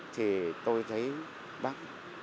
thì tôi thấy bác